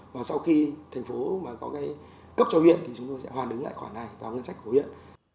và sau khi thành phố có cấp cho huyện thì chúng tôi sẽ hoàn đứng lại khoản này vào ngân sách của huyện